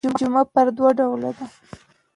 جمعه پر دوه ډوله ده.